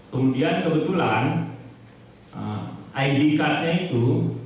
kemudian kebetulan id cardnya itu